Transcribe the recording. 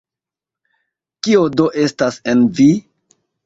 Kio do estas en vi?